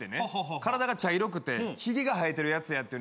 体が茶色くてひげが生えてるやつやって言うね